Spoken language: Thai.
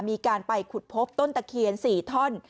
มีการไปขุดพบต้นตะเคียน๔ท่อน